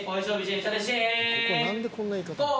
ここ何でこんな言い方なん？